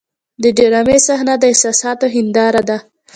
د ډرامې صحنه د احساساتو هنداره ده.